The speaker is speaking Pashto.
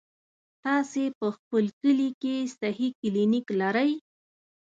تاسې په خپل کلي کې صحي کلينيک لرئ؟